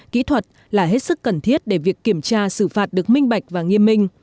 kỹ thuật là hết sức cần thiết để việc kiểm tra xử phạt được minh bạch và nghiêm minh